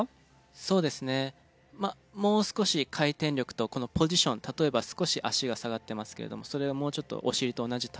そうですねもう少し回転力とこのポジション例えば少し足が下がってますけれどもそれをもうちょっとお尻と同じ高さにするだとか。